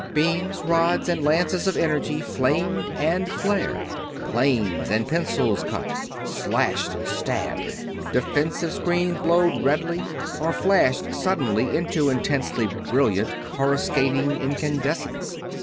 Beams, rods, and lances of energy flamed and flared; planes and pencils cut, slashed, and stabbed; defensive screens glowed redly or flashed suddenly into intensely brilliant, coruscating incandescence.